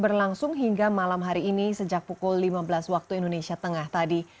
berlangsung hingga malam hari ini sejak pukul lima belas waktu indonesia tengah tadi